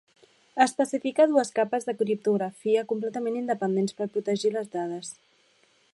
Especifica dues capes de criptografia completament independents per protegir les dades.